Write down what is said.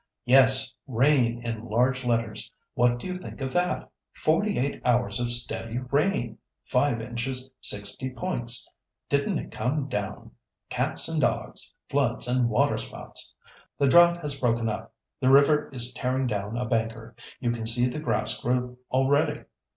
"Yes, rain in large letters! What do you think of that? Forty eight hours of steady rain! Five inches sixty points! Didn't it come down!—cats and dogs, floods and waterspouts! "The drought has broken up. The river is tearing down a banker. You can see the grass grow already.